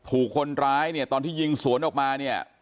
ถูกคนร้ายตอนที่ยิงสวนออกมา